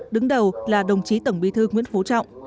đứng đầu là đồng chí tổng bí thư nguyễn phú trọng